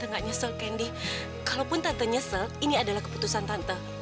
tante gak nyesel candy kalaupun tante nyesel ini adalah keputusan tante